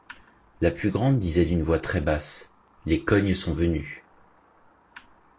La plus grande disait d’une voix très basse: — Les cognes sont venus.